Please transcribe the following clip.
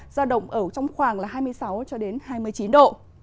giao động trong khoảng hai mươi sáu hai mươi chín độ